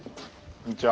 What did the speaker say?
こんにちは。